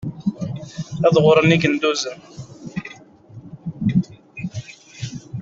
Ad ɣuren yigenduzen.